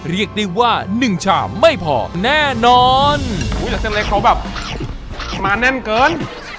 เรียกได้ว่าหนึ่งชามไม่พอแน่นอนอุ้ยแล้วเส้นเล็กเขาแบบมาแน่นเกิน